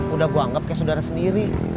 udah gue anggap kayak saudara sendiri